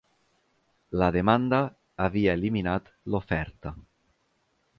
La demanda havia eliminat l'oferta.